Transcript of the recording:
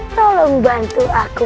tolong bantu aku